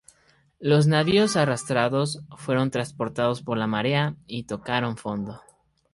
Los navíos arrastrados fueron transportados por la marea, y tocaron fondo.